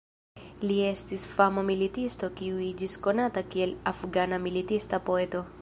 Li estis fama militisto kiu iĝis konata kiel "Afgana militista poeto".